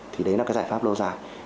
thì đấy là cái giải pháp lâu dài